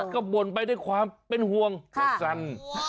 ก็บ่นไปด้วยความเป็นห่วงก็สั่น